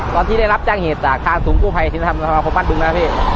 ตอนที่ได้รับจ้างเหตุจากทางสูงคู่ไพธิสนธรรมน์สมพันธ์ปึงมา